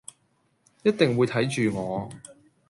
一定會睇住我